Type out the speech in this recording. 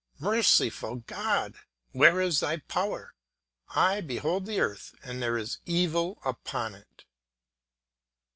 Merciful God, where is thy Power? I behold the earth, and there is evil upon it.